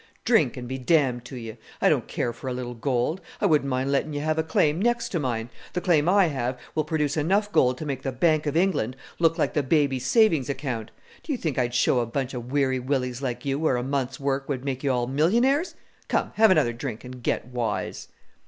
Drink, and be damned to you! I don't care for a little gold. I wouldn't mind letting you have a claim next to mine; the claim I have will produce enough gold to make the Bank of England look like the baby's savings account! Do you think I would show a bunch of Weary Willies like you where a month's work would make you all millionaires? Come, have another drink, and get wise."